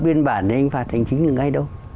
biên bản thì anh phạt thành chính được ngay đâu